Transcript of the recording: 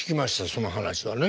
その話はね。